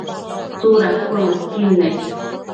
tsuda cuëmëdqui nec?